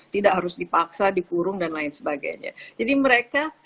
tidak harus dipaksa dikurung dan lain sebagainya jadi mereka